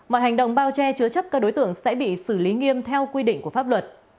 mọi hành động bao che chứa chấp các đối tượng sẽ bị xử lý nghiêm theo quy định của pháp luật